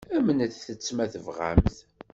Amnemt-tt, ma tebɣamt.